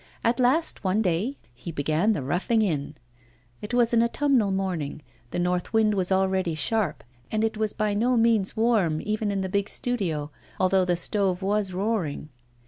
At last, one day, he began the roughing in. It was an autumnal morning, the north wind was already sharp, and it was by no means warm even in the big studio, although the stove was roaring.